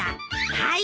はい。